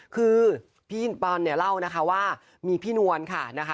คือพี่บอลเนี่ยเล่านะคะว่ามีพี่นวลค่ะนะคะ